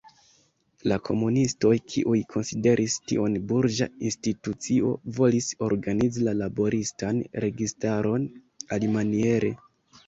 La komunistoj, kiuj konsideris tion burĝa institucio, volis organizi la laboristan registaron alimaniere.